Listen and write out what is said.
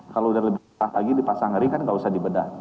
kalau udah lebih murah lagi dipasang ring kan nggak usah dibedah